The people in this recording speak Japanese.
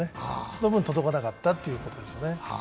その分、届かなかったってことですね。